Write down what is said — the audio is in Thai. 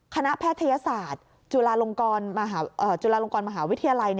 แพทยศาสตร์จุฬาลงกรมหาวิทยาลัย